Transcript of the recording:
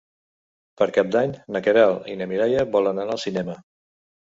Per Cap d'Any na Queralt i na Mireia volen anar al cinema.